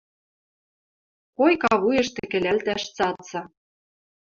Койка вуеш тӹкӹлӓлтӓш цӓцӓ.